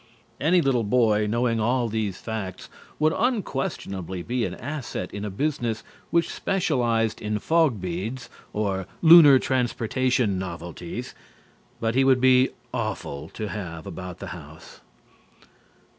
Any little boy knowing all these facts would unquestionably be an asset in a business which specialized in fog beads or lunar transportation novelties, but he would be awful to have about the house.